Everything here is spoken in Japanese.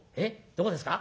どこですか？